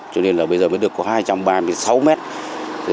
cho nên là bây giờ mới được có hai trăm ba mươi sáu mét